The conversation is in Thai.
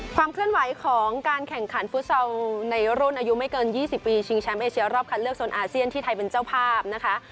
ความเคลื่อนไหวของการแข่งขันฟุตซอลในรุ่นอายุไม่เกิน๒๐ปีชิงแชมป์เอเชียรอบคัดเลือกโซนอาเซียนที่ไทยเป็นเจ้าภาพนะคะ